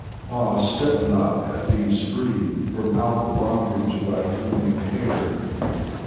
ah, set not Hafiz free From out the bondage of thy gleaming hair